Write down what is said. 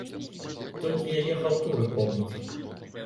Толькі яе хаўтуры помніць.